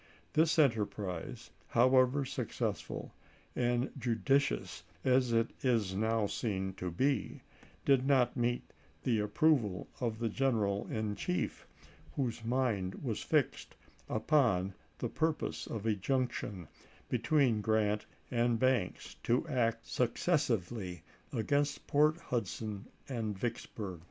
This enterprise, however successful and judi cious as it is now seen to be, did not meet the approval of the general in chief, whose mind was fixed upon the purpose of a junction between Grant and Banks, to act successively against Port Hudson and Vicksburg.